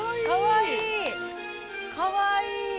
かわいい。